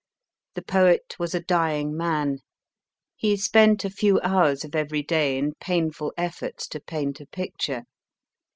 The poet was a dying man. He spent a few hours of every day in painful efforts to paint a picture.